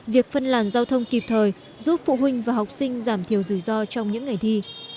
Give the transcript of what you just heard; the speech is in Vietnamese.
việc phân làn giao thông kịp thời giúp phụ huynh và học sinh giảm thiểu rủi ro trong những ngày thi